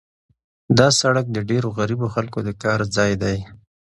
دا سړک د ډېرو غریبو خلکو د کار ځای دی.